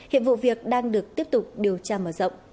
hiện vụ việc đang được tiếp tục điều tra mở rộng